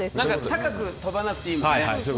高く跳ばなくていいもんね。